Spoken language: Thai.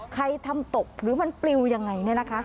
ใครทำตกหรือมันปลิวยังไงเนี่ยนะคะ